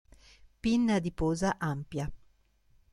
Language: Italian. Pinna adiposa ampia.